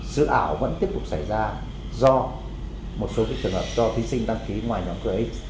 dự ảo vẫn tiếp tục xảy ra do một số trường hợp cho thí sinh đăng ký ngoài nhóm cưa